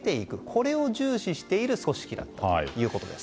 これを重視している組織だったそうです。